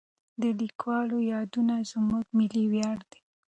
د لیکوالو یادونه زموږ ملي ویاړ دی.